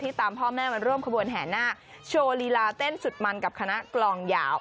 ตามพ่อแม่มาร่วมขบวนแห่หน้าโชว์ลีลาเต้นสุดมันกับคณะกลองยาว